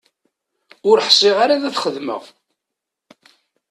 Ur ḥsiɣ ara ad t-xedmeɣ.